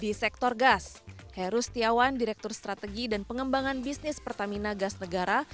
di sektor gas heru setiawan direktur strategi dan pengembangan bisnis pertamina gas negara